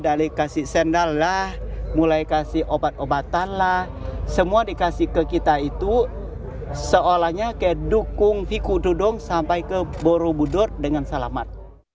biksu tudong berjalan ke candi borobudur dengan selamat